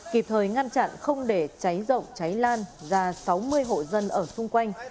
kịp thời ngăn chặn không để cháy rộng cháy lan ra sáu mươi hộ dân ở xung quanh